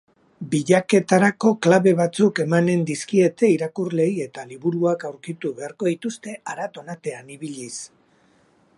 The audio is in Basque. Bilaketarako klabe batzuk emanen dizkiete irakurleei eta liburuak aurkitu beharko dituzte harat-honatean ibiliz.